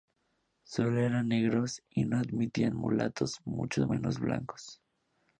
Sólo eran negros y no admitían mulatos, muchos menos blancos.